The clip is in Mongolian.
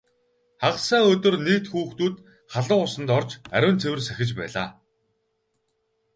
Хагас сайн өдөр нийт хүүхдүүд халуун усанд орж ариун цэвэр сахиж байлаа.